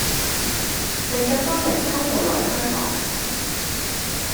令更多人偷渡來香港